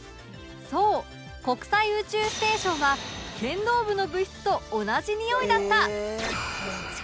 そう国際宇宙ステーションは剣道部の部室と同じにおいだった